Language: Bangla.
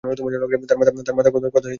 তার মাতা কথাসাহিত্যিক রাবেয়া খাতুন।